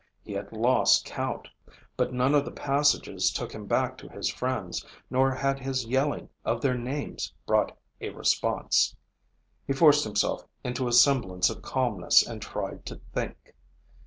He had lost count. But none of the passages took him back to his friends, nor had his yelling of their names brought a response. He forced himself into a semblance of calmness and tried to think.